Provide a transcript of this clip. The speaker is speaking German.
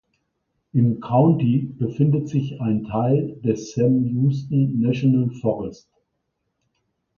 Im County befindet sich ein Teil des Sam Houston National Forest.